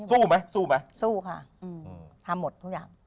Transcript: สู้ไหมสู้ค่ะทำหมดทุกอย่าง